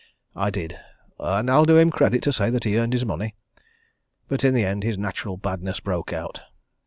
I did and I'll do him the credit to say that he earned his money. But in the end, his natural badness broke out.